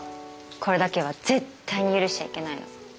これだけは絶対に許しちゃいけないの。